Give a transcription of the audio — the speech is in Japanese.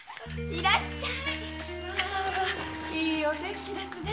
いいお天気ですね。